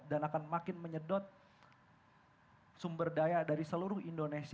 dan akan makin menyedot sumber daya dari seluruh indonesia